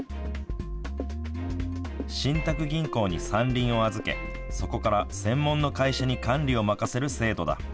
信託銀行に山林を預けそこから専門の会社に管理を任せる制度だ。